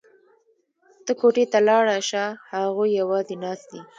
ته کوټې ته لاړه شه هغوی یوازې ناست دي